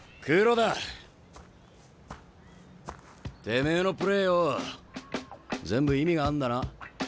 てめえのプレーよぉ全部意味があんだな。